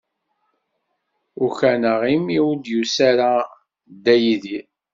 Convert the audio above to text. Ukaneɣ imi ur d-yusi ara Dda Yidir.